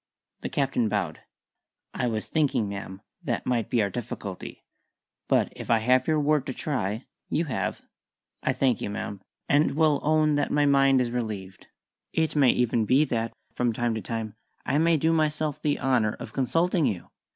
The Captain bowed. "I was thinking, ma'am, that might be our difficulty. But if I have your word to try " "You have." "I thank you, ma'am, and will own that my mind is relieved. It may even be that, from time to time, I may do myself the honour of consulting you.